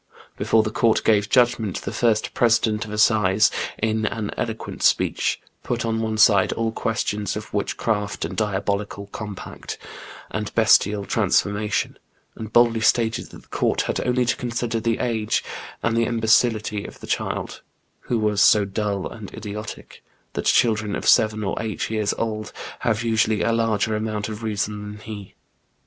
Before the court gave judgment, the first president of assize, in an eloquent speech, put on one side aU questions of witchcraft and diabolical compact, and bestial transformation, and boldly stated that the court had only to consider the age and the imbecility of the child, who was so dull and idiotic — that children of seven or eight years old have usually a larger amount of reason than he.